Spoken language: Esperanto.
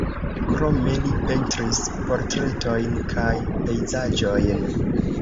Krome li pentris portretojn kaj pejzaĝojn.